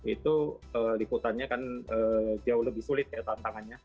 itu liputannya kan jauh lebih sulit ya tantangannya